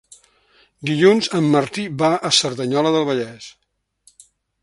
Dilluns en Martí va a Cerdanyola del Vallès.